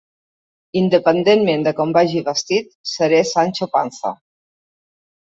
Independentment de com vagi vestit, seré Sancho Panza.